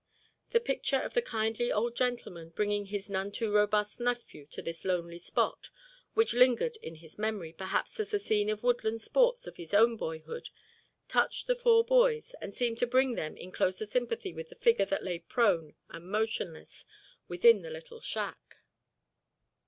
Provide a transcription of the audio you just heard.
The picture of the kindly old gentleman, bringing his none too robust nephew to this lonely spot, which lingered in his memory perhaps as the scene of woodland sports of his own boyhood, touched the four boys and seemed to bring them in closer sympathy with the figure that lay prone and motionless within the little shack.